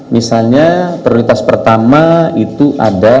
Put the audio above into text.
misalnya prioritas pertama itu ada